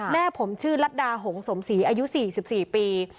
แม่ผมชื่อรัฐดาหงสมศรีอายุ๔๔ปี